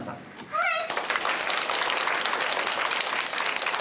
はい。